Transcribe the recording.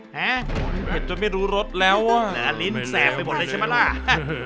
เห็ดจนไม่รู้รสแล้วว่ะไม่แล้วไม่แล้วไม่แล้วไม่แล้ว